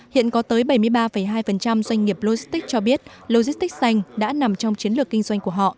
hiện có tới bảy mươi ba hai doanh nghiệp logistics cho biết logistics xanh đã nằm trong chiến lược kinh doanh của họ